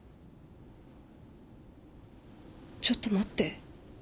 ちょっと待って。